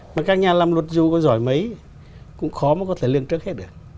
mà các nhà làm luật dù có giỏi mấy cũng khó mà có thể lương trức hết được